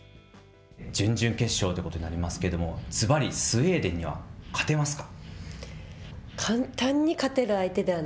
準々決勝ということになりますけれども、ずばり、スウェーデンには勝てますか？